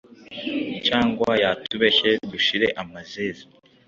cyangwa yatubeshye dushire amazeze.”